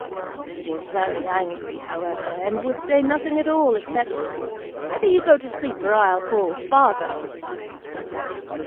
He was very angry, however, and would say nothing at all except, 'Either you go to sleep, or I'll call father!